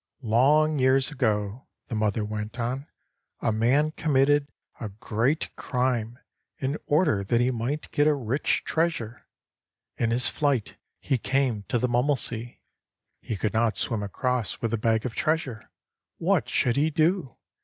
"Long years ago," the mother went on, "a man committed a great crime in order that he might get a rich treasure. In his flight he came to the Mummelsee. He could not swim across with the bag of treasure! What should he do?